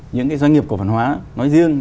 những doanh nghiệp cổ phần hóa nói riêng